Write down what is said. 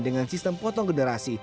dengan sistem potong generasi